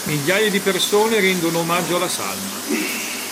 Migliaia di persone rendono omaggio alla salma.